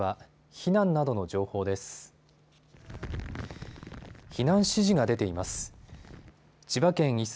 避難指示が出ています。